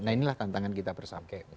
nah inilah tantangan kita bersama